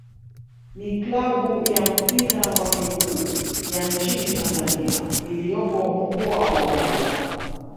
ni klabu ya mpira wa miguu ya nchini Tanzania iliyopo Mkoa wa Mwanza.